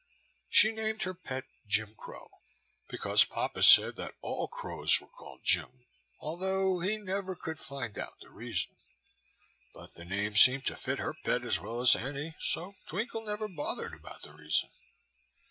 She named her pet "Jim Crow" because papa said that all crows were called Jim, although he never could find out the reason. But the name seemed to fit her pet as well as any, so Twinkle never bothered about the reason.